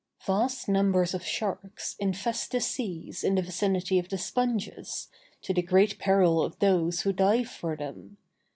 Vast numbers of sharks infest the seas in the vicinity of the sponges, to the great peril of those who dive for them.